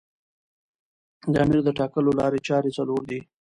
د امیر د ټاکلو لاري چاري څلور دي.